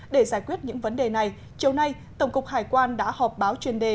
để giải quyết những vấn đề này chiều nay tổng cục hải quan đã họp báo chuyên đề